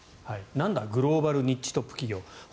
なんだグローバルニッチトップ企業。